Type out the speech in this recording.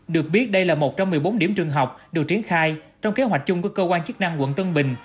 được biết đây là một trong một mươi bốn điểm trường học được triển khai trong kế hoạch chung của cơ quan chức năng quận tân bình